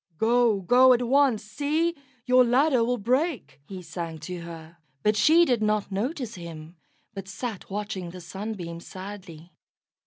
"Go, go at once. See! your ladder will break," he sang to her; but she did not notice him, but sat watching the Sunbeam sadly.